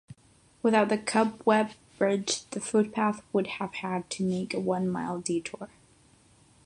Without the Cobweb Bridge, the footpath would have had to make a one-mile detour.